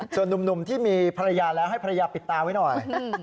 ส่วนนุ่มที่มีภรรยาแล้วให้ภรรยาปิดตาไว้หน่อย